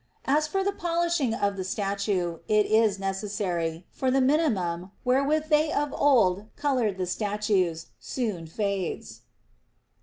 As for the polishing of the statue, it is necessary, for the minium (wherewith they of old colored the statues) soon fades.